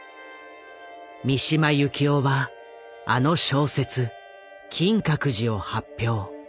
三島由紀夫はあの小説「金閣寺」を発表。